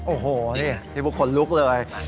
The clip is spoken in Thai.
โอ้โหนี่พี่บุ๊คขนลุกเลย